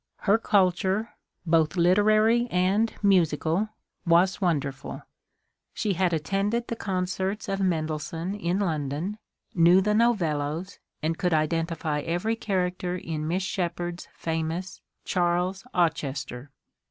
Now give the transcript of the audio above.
Her culture — both literary and musical — was wonderful. She had attended the concerts of Mendelssohn in London, knew the Novellos, and could identify every character in Miss Shep ard's famous ^^ Charles Auchester."